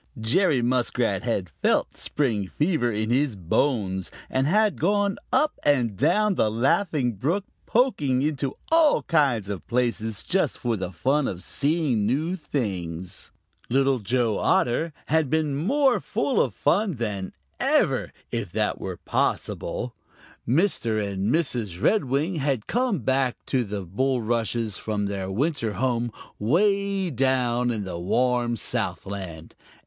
Jerry Muskrat had felt the spring fever in his bones and had gone up and down the Laughing Brook, poking into all kinds of places just for the fun of seeing new things. Little Joe Otter had been more full of fun than ever, if that were possible. Mr. and Mrs. Redwing had come back to the bulrushes from their winter home way down in the warm Southland.